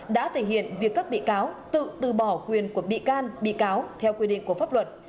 đã thể hiện việc các bị cáo tự từ bỏ quyền của bị can bị cáo theo quy định của pháp luật